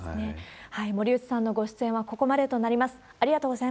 森内さんのご出演はここまでとなります。